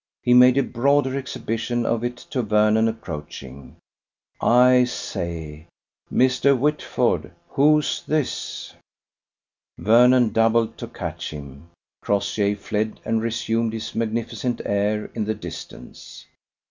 He made a broader exhibition of it to Vernon approaching: "I say. Mr. Whitford, who's this?" Vernon doubled to catch him. Crossjay fled and resumed his magnificent air in the distance.